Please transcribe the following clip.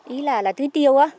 ý là là tư tiêu á